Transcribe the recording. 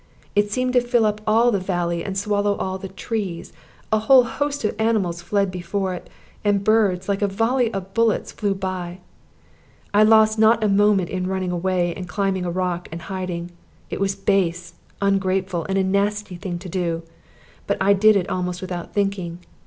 It seemed to fill up all the valley and to swallow up all the trees; a whole host of animals fled before it, and birds, like a volley of bullets, flew by. I lost not a moment in running away, and climbing a rock and hiding. It was base, ungrateful, and a nasty thing to do; but I did it almost without thinking.